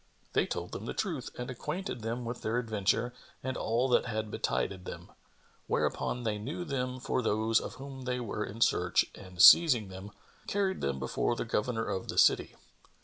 They told them the truth and acquainted them with their adventure and all that had betided them; whereupon they knew them for those of whom they were in search and seizing them, carried them before the Governor of the city.